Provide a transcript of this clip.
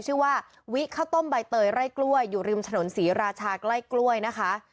ชื่อว่าวิข้าวต้มใบเตยไร่กล้วยอยู่ริมถนนศรีราชาใกล้กล้วยนะคะ